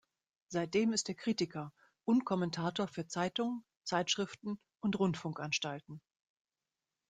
Seitdem ist er Kritiker und Kommentator für Zeitungen, Zeitschriften und Rundfunkanstalten.